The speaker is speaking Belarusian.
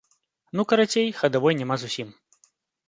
Ну, карацей, хадавой няма зусім.